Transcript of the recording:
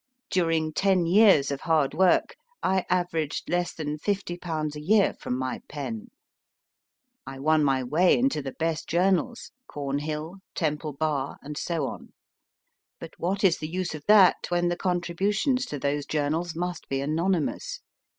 During ten years of hard work, I averaged less than fifty pounds a year from my pen. I won my way into the best journals, CornJiill, Temple Bar, and so on ; but what is the use of that when the contributions to those journals must be anonymous